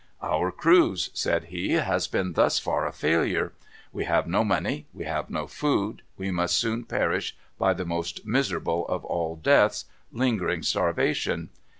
"Our cruise," said he, "has been thus far a failure. We have no money. We have no food. We must soon perish by the most miserable of all deaths, lingering starvation.